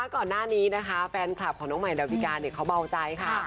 ก่อนหน้านี้นะคะแฟนคลับของน้องใหม่ดาวิกาเขาเมาใจค่ะ